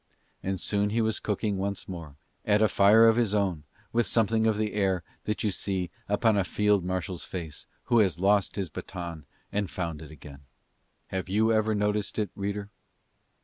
And soon he was cooking once more, at a fire of his own, with something of the air that you see upon a Field Marshal's face who has lost his baton and found it again. Have you ever noticed it, reader?